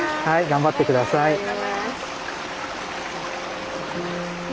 はい頑張って下さい。